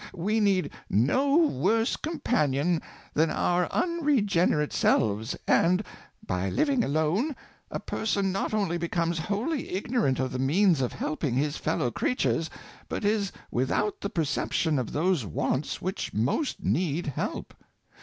We need no worse companion than our unregenerate selves, and, by living alone, a person not only becomes wholly ignorant of the means of helping his fellow creatures, but is without the perception of those wants which most need help.